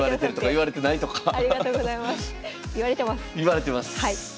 言われてます！